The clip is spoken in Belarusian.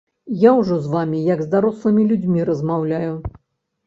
Я ўжо з вамі як з дарослымі людзьмі размаўляю.